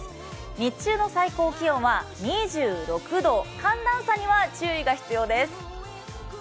日中の最高気温は２６度、寒暖差には注意が必要です。